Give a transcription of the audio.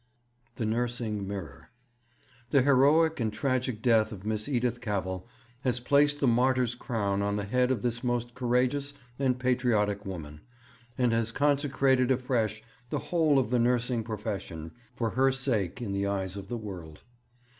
The Nursing Mirror. 'The heroic and tragic death of Miss Edith Cavell has placed the martyr's crown on the head of this most courageous and patriotic woman, and has consecrated afresh the whole of the nursing profession for her sake in the eyes of the world.